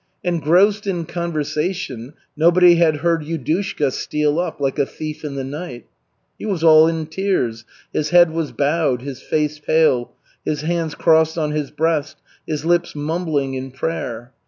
Engrossed in conversation nobody had heard Yudushka steal up "like a thief in the night." He was all in tears, his head was bowed, his face pale, his hands crossed on his breast, his lips mumbling in prayer.